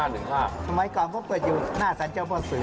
ทำไมก่อนเค้าเปิดอยู่หน้าศาลเจ้าพ่อเสือ